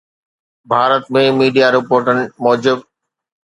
Bharat ۾ media رپورٽن موجب